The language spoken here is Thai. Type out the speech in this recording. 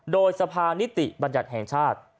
โดยสภานิติบัญญัติแห่งชาติ